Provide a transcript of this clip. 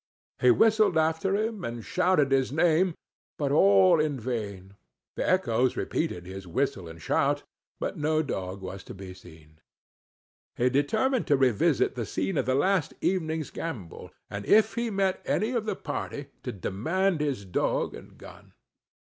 He whistled after him and shouted his name, but all in vain; the echoes repeated his whistle and shout, but no dog was to be seen. He determined to revisit the scene of the last evening's gambol, and if he met with any of the party, to demand his dog and gun.